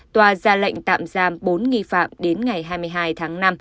tòa ra lệnh tạm giam bốn nghi phạm đến ngày hai mươi hai tháng năm